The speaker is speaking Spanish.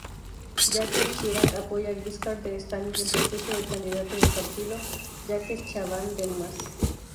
Jacques Chirac apoya a Giscard d'Estaing en perjuicio del candidato del partido, Jacques Chaban-Delmas.